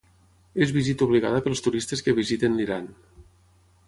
Es visita obligada pels turistes que visiten l'Iran.